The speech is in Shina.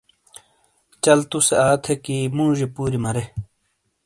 چل تُوسے آ تھے کہ موجیئے پوریئے مَرے ۔